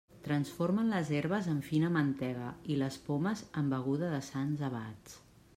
Transformen les herbes en fina mantega i les pomes en beguda de sants abats.